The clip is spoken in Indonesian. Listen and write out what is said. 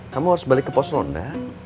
kita balik ke pos ronda